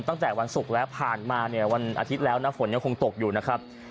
ตั้งแต่วันศุกร์แล้วผ่านมาเนี่ยวันอาทิตย์แล้วนะฝนยังคงตกอยู่นะครับ